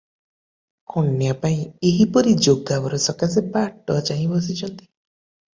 କନ୍ୟାପାଇଁ ଏହିପରି ଯୋଗା ବର ସକାଶେ ବାଟ ଚାହିଁ ବସିଛନ୍ତି ।